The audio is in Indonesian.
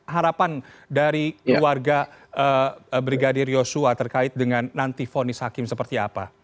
harapan dari keluarga brigadir yosua terkait dengan nanti fonis hakim seperti apa